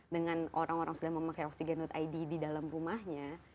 dengan orang orang sudah memakai oksigen id di dalam rumahnya